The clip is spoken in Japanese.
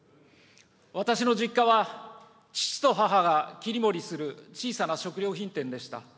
私の実家は、父と母が切り盛りする小さな食料品店でした。